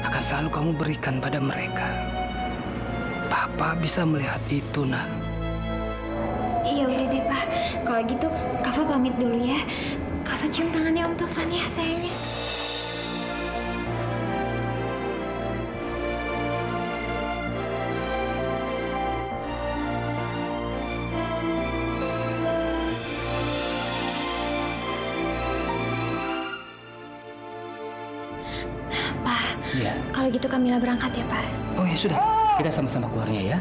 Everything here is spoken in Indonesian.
gimana kau saat aku pergi fadil sadar